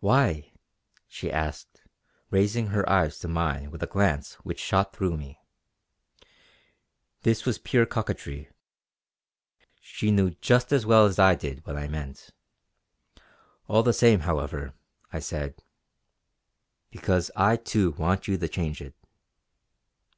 "Why?" she asked raising her eyes to mine with a glance which shot through me. This was pure coquetry; she knew just as well as I did what I meant. All the same, however, I said: "Because I too want you to change it!"